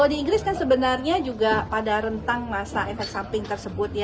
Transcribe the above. kalau di inggris kan sebenarnya juga pada rentang masa efek samping tersebut ya